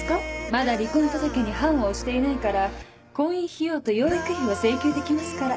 まだ離婚届に判を押していないから婚姻費用と養育費を請求できますから。